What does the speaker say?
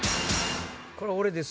これは俺ですよ。